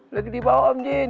lihat di bawah om jin